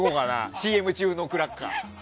ＣＭ中のクラッカー。